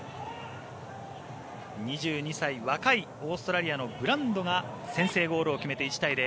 ２２歳若いオーストラリアのブランドが先制ゴールを決めて１対０。